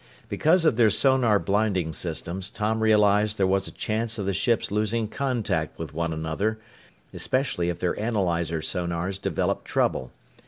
Because of their sonar blinding systems, Tom realized there was a chance of the ships losing contact with one another especially if their analyzer sonars developed trouble.